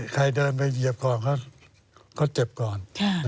ใครเดินไปเหยียบก่อนก็เจ็บก่อน